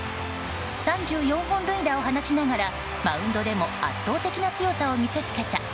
３４本塁打を放ちながらマウンドでも圧倒的な強さを見せつけた。